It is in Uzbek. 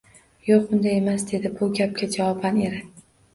Yoʻq, unday emas, dedi bu gapga javoban eri